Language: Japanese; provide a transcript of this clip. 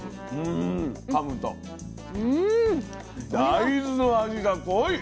大豆の味が濃い。